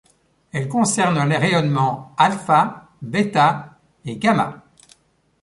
Elle concerne les rayonnements α, β et γ.